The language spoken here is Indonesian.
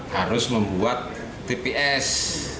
harus membuat tps